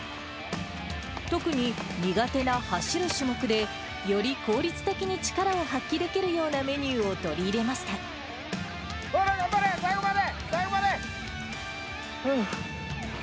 特に苦手な走る種目で、より効率的に力を発揮できるようなメニュ頑張れ、頑張れ、最後まで。